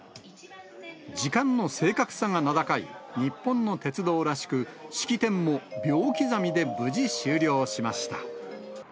時間の正確さが名高い日本の鉄道らしく、式典も秒刻みで無事終了しました。